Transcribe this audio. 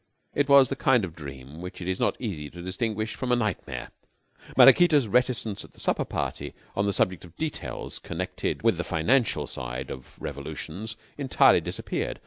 It was the kind of dream which it is not easy to distinguish from a nightmare. Maraquita's reticence at the supper party on the subject of details connected with the financial side of revolutions entirely disappeared.